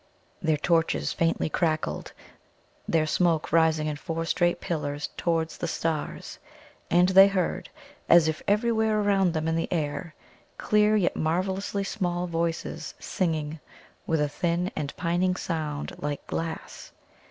Their torches faintly crackled, their smoke rising in four straight pillars towards the stars. And they heard, as if everywhere around them in the air, clear yet marvellously small voices singing with a thin and pining sound like glass.